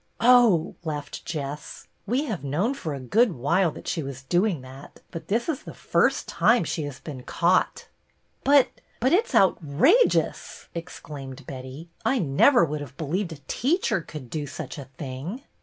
" Oh," laughed Jess, " we have known for a good while that she was doing that ; but this is the first time she has been caught." " But — but — it 's outrageous !" exclaimed Betty. " I never would have believed a teacher could do such a thing."